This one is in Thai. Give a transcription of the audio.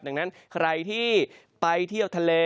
ดังนั้นใครที่ไปเที่ยวทะเล